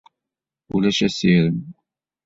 Ulac assirem.